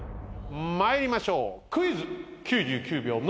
参りましょうクイズ。